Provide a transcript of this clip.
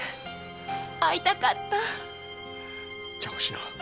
じゃおしの。